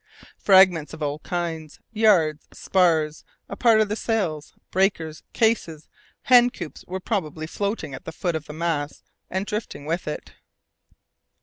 Fragments of all kinds, yards, spars, a part of the sails, breakers, cases, hen coops, were probably floating at the foot of the mass and drifting with it.